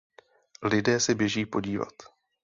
Lidé se běží podívat.